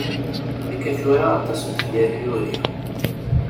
Akka tura, aṭas n tefyar i uriɣ.